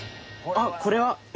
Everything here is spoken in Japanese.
あっこれは。